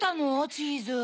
チーズ。